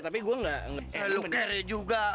tapi gua ga eh lu kere juga